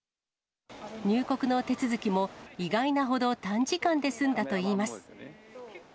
入国の手続きも意外なほど短時間で済んだといいます。